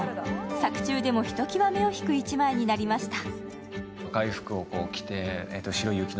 作中でもひときわ目を引く１枚になりました。